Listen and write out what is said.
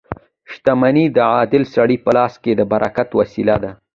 • شتمني د عادل سړي په لاس کې د برکت وسیله ده.